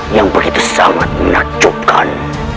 yang begitu sangat menakjubkan